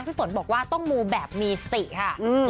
พี่ฝนบอกว่าต้องมูแบบมีสติค่ะ